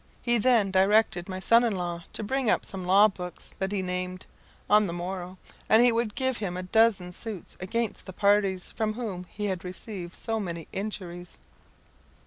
He then directed my son in law to bring up some law books that he named, on the morrow, and he would give him a dozen suits against the parties from whom he had received so many injuries.